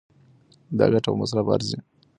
دا ګټه په مصرف ارزي.